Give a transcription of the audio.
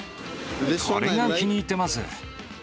これが気に入ってます。